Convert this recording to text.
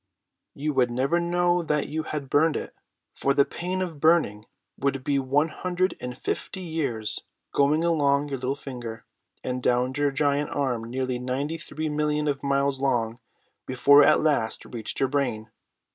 "You would never know that you had burned it, for the pain of burning would be one hundred and fifty years going along your little finger, and down your giant arm nearly ninety three millions of miles long, before it at last reached your brain.